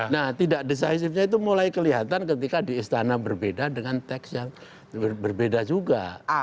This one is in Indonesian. nah tidak decisifnya itu mulai kelihatan ketika di istana berbeda dengan teks yang berbeda juga